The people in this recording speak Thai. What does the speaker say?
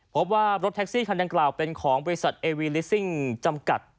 พบว่ารถแท็กซี่คันดังกล่าวเป็นของบริษัทเอวีลิซิ่งจำกัด